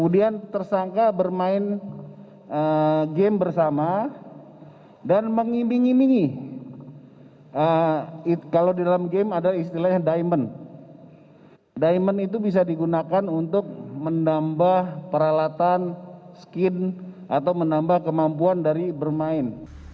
diamond itu bisa digunakan untuk menambah peralatan skin atau menambah kemampuan dari bermain